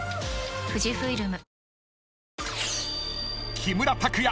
［木村拓哉